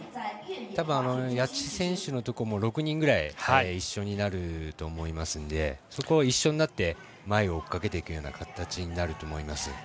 たぶん谷地選手のところも６人ぐらい一緒になると思いますのでそこは一緒になって前を追っかけていくような形になると思います。